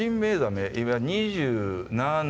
今２７年？